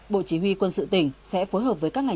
bộ chỉ huy quân sự tỉnh sẽ phối hợp với các ngành